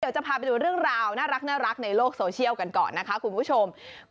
จะพาไปดูเรื่องราวน่ารักในโลกโซเชียลกันก่อนนะคะคุณผู้ชม